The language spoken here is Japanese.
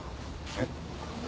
えっ？